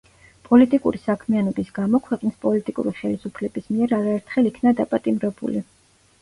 პოლიტიკური საქმიანობის გამო ქვეყნის პოლიტიკური ხელისუფლების მიერ არაერთხელ იქნა დაპატიმრებული.